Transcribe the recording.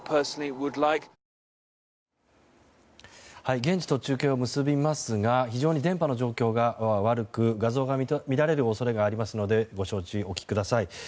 現地と中継を結びますが非常に電波の状況が悪く画像が乱れる恐れがありますのでご承知おきください。